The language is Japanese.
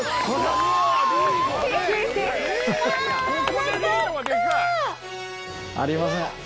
降参！ありません。